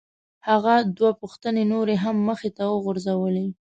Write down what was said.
هغه دوه پوښتنې نورې هم مخ ته وغورځولې.